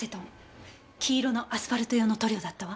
黄色のアスファルト用の塗料だったわ。